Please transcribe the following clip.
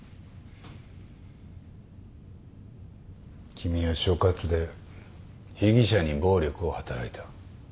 君は所轄で被疑者に暴力を働いた。